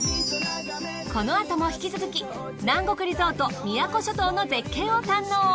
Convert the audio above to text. このあとも引き続き南国リゾート宮古諸島の絶景を堪能。